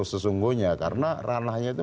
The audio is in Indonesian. sesungguhnya karena ranahnya itu